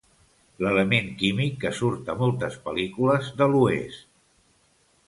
L'element químic que surt a moltes pel·lícules de l'oest.